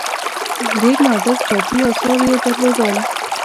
ډېر نادر چاپي آثار یې درلودل.